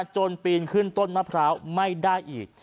ปีนขึ้นต้นมะพร้าวไม่ได้อีก